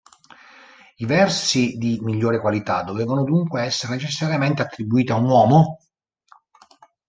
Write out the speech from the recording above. I versi di migliore qualità dovevano dunque essere necessariamente attribuiti a un uomo.